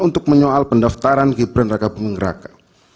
untuk menyoal pendaftaran gibran raka buming raka